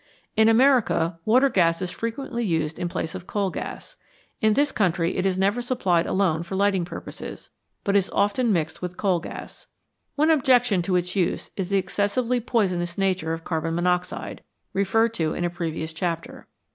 In America water gas is frequently used in place of coal gas ; in this country it is never supplied alone for lighting purposes, but is often mixed with coal gas. One objection to its use is the excessively poisonous nature of carbon monoxide, referred to in a previous chapter.